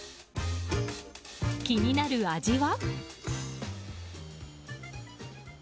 気になる味は。